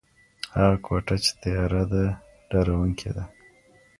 هغه کوټه چي تياره ده ډارونکي ده.